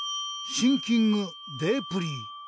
シンキングデープリー。